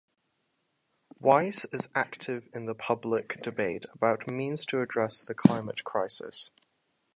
Weisz is active in the public debate about means to address the climate crisis.